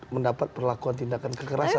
mendapat perlakuan tindakan kekerasan